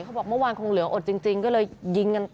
เขาบอกเมื่อวานคงเหลืออดจริงก็เลยยิงกัน